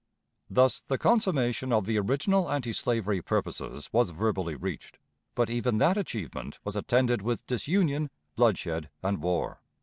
Thus the consummation of the original antislavery purposes was verbally reached; but even that achievement was attended with disunion, bloodshed, and war.